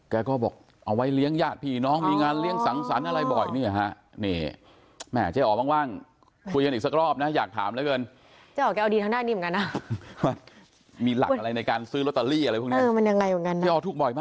แกก็บอกเอาไว้เลี้ยงญาติพี่น้องมีงานเลี้ยงสังสรรค์อะไรบ่อยเนี่ยฮะ